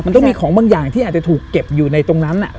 มันต้องมีของบางอย่างที่อาจจะถูกเก็บอยู่ในตรงนั้น